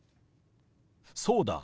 そうだ。